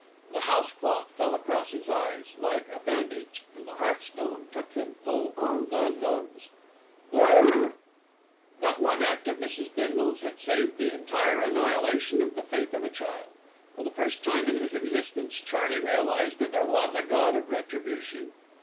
The house cloth fell across his eyes, like a bandage, and the hearthstone took him full on the nose. "Oo er!" That one act of Mrs. Bindle's had saved from entire annihilation the faith of a child. For the first time in his existence, Charley realised that there was a God of retribution.